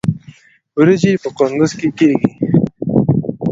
وریجې په کندز کې کیږي